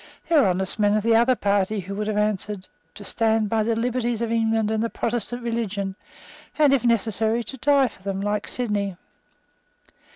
There were honest men of the other party who would have answered, To stand by the liberties of England and the Protestant religion, and, if necessary, to die for them like Sidney.